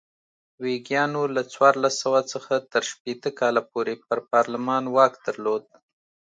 ویګیانو له څوارلس سوه څخه تر شپېته کاله پورې پر پارلمان واک درلود.